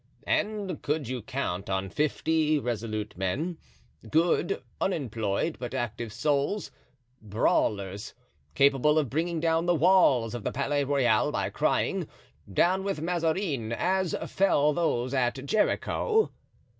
"And could you count on fifty resolute men, good, unemployed, but active souls, brawlers, capable of bringing down the walls of the Palais Royal by crying, 'Down with Mazarin,' as fell those at Jericho?"